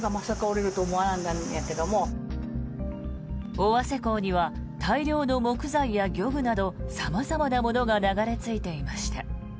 尾鷲港には大量の木材や漁具など様々なものが流れ着いていました。